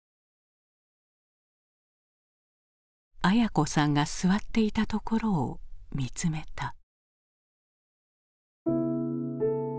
文子さんが座っていたところを見つめた。